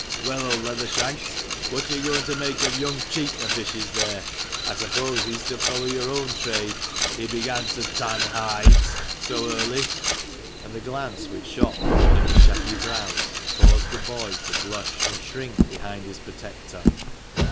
" Well, old Leathershanks, what are you going to make of young Cheat the fishes there? I suppose he's to follow your own trade, he began to tan hides so early?" And the glance which shot from under his shaggy brows caused the boy to blush, and shrink behind his protector.